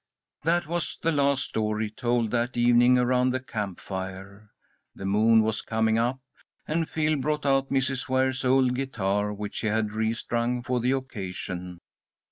That was the last story told that evening around the camp fire. The moon was coming up, and Phil brought out Mrs. Ware's old guitar, which he had restrung for the occasion.